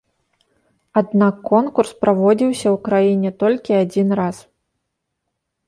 Аднак конкурс праводзіўся ў краіне толькі адзін раз.